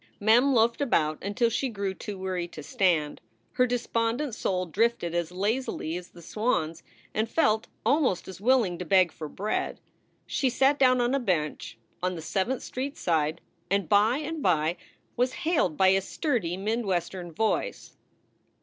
Mem loafed about until she grew too weary to stand. Her despondent soul drifted as lazily as the swans, and felt almost as willing to beg for bread. She sat down on a bench on the Seventh Street side, and by and by was hailed by a sturdy mid Western voice.